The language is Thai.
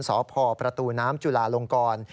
สพประตูน้ำจุลาลงกร